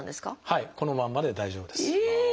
はいこのまんまで大丈夫です。